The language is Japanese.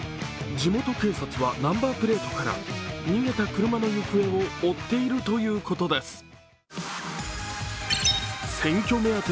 地元警察はナンバープレートから逃げた車の行方を追っているということです。